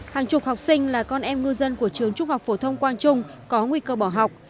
hàng chục học sinh là con em ngư dân của trường trung học phổ thông quang trung có nguy cơ bỏ học